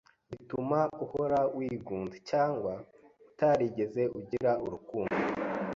bituma uhora wigunze, cyangwa utarigeze ugira urukundo